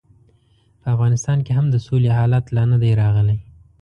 په افغانستان کې هم د سولې حالت لا نه دی راغلی.